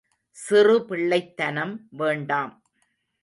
சிறு பிள்ளைத்தனம் வேண்டாம்.